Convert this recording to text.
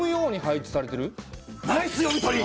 ナイス読み取り！